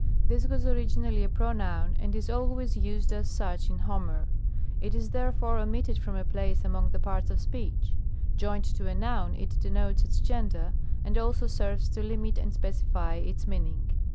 This was originally a pronoun, and is always uaed.as such in Homer. It is therefore omitted from a place among the parts of speech. Joined to a noun, it denotes its gender, and also serves to limit and specify its meaning.